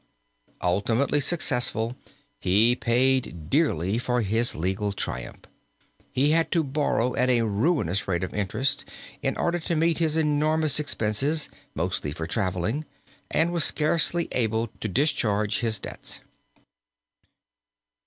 Ultimately successful he paid dearly for his legal triumph. He had to borrow at a ruinous rate of interest in order to meet his enormous expenses, mostly for traveling, and was scarcely able to discharge his debts.